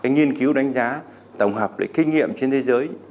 nhiên cứu đánh giá tổng hợp lại kinh nghiệm trên thế giới